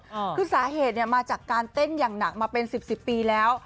คือสาเหตุเนี้ยมาจากการเต้นอย่างหนักมาเป็นสิบสิบปีแล้ว